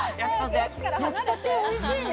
焼きたて、おいしいね。